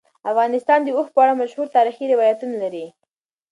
افغانستان د اوښ په اړه مشهور تاریخی روایتونه لري.